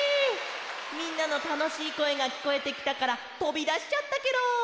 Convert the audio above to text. みんなのたのしいこえがきこえてきたからとびだしちゃったケロ！